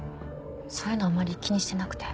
そういうのあんまり気にしてなくて。